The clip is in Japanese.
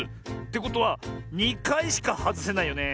てことは２かいしかはずせないよね。